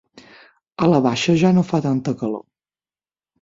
A la baixa ja no fa tanta calor.